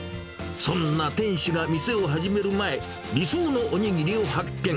そんな店主が店を始める前、理想のおにぎりを発見。